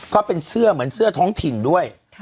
ก็เป็นเสื้อเหมือนเสื้อท้องถิ่นด้วย